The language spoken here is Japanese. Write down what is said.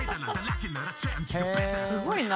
「すごいな」